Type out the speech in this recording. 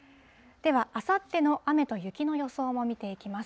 ではあさっての雨と雪の予想も見ていきます。